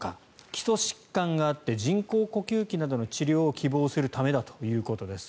基礎疾患があって人工呼吸器などの治療を希望するためだということです。